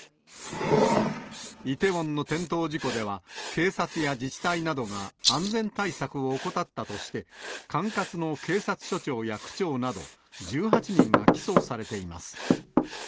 イテウォンの転倒事故では、警察や自治体などが安全対策を怠ったとして、管轄の警察署長や区長など１８人が起訴されています。